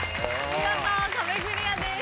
見事壁クリアです。